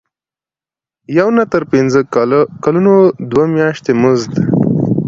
د یو نه تر پنځه کلونو دوه میاشتې مزد.